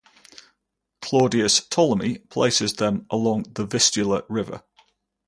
Claudius Ptolemy places them along the Vistula river.